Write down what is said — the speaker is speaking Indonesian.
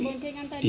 iya perboncengan tadi